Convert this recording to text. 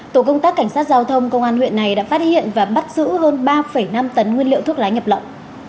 tổ công tác cảnh sát giao thông công an huyện này đã phát hiện và bắt giữ hơn ba năm tấn nguyên liệu thuốc lá nhập lậu